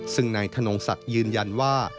ซึ่งนายธนงศักดิ์ยืนยันว่า